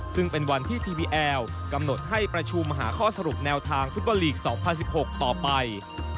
ซึ่งเป็นวันที่ทีวีแอลกำหนดให้ประชุมหาข้อสรุปแนวทางฟุตบอลลีก๒๐๑๖ต่อไป